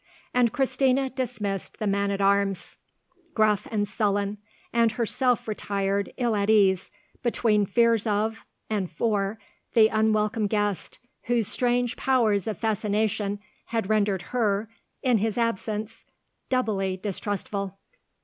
And Christina dismissed the man at arms gruff and sullen, and herself retired ill at ease between fears of, and for, the unwelcome guest whose strange powers of fascination had rendered her, in his absence, doubly distrustful.